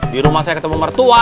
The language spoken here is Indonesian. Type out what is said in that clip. di rumah saya ketemu mertua